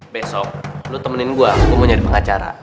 besok lo temenin gue gue mau jadi pengacara